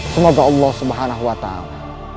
semoga allah subhanahu wa ta'ala